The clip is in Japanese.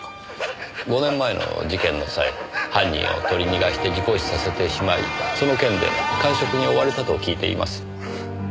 ５年前の事件の際犯人を取り逃がして事故死させてしまいその件で閑職に追われたと聞いています。